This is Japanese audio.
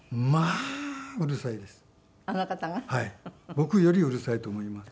僕よりうるさいと思います。